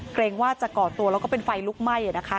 เกรงว่าจะก่อตัวแล้วก็เป็นไฟลุกไหม้นะคะ